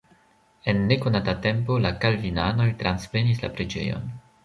En nekonata tempo la kalvinanoj transprenis la preĝejon.